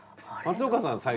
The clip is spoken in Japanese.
松岡さん